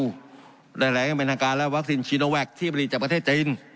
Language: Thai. หลายอย่างเป็นทางการและวัคซีนชีโนแวคที่ผลิตจากประเทศจีน